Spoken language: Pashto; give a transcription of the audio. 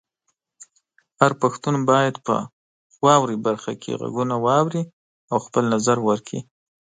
هر پښتون باید په "واورئ" برخه کې غږونه واوري او خپل نظر ورکړي.